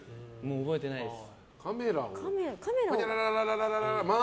覚えてないです。